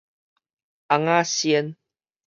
尪仔先